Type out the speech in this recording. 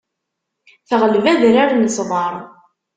Teɣleb adrar n ṣṣber.